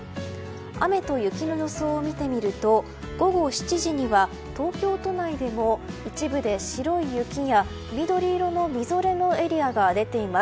雨と雪の予想を見てみると午後７時には東京都内でも一部で白い雪や黄緑色のみぞれのエリアが出ています。